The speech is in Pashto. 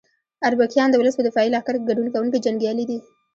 اربکیان د ولس په دفاعي لښکر کې ګډون کوونکي جنګیالي دي.